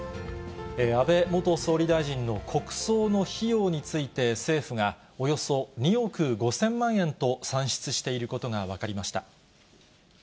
安倍元総理大臣の国葬の費用について、政府がおよそ２億５０００万円と算出していることが分かりました。